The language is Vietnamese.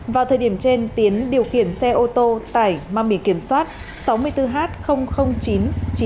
vào thời điểm trên tiến điều khiển xe ô tô tải mang biển kiểm soát sáu mươi bốn h chín trăm chín mươi